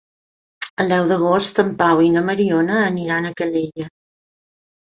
El deu d'agost en Pau i na Mariona aniran a Calella.